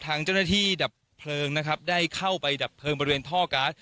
ทางเจ้าหน้าที่ดับเพลิงนะครับได้เข้าไปดับเพลิงบริเวณท่อการ์ด